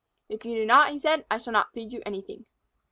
"If you do not," he said, "I shall not feed you anything."